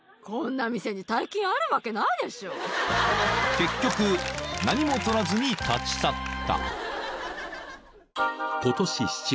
［結局何も取らずに立ち去った］